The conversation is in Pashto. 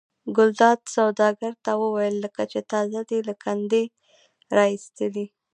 ګلداد سوداګر ته وویل لکه چې تازه دې له کندې را ایستلي.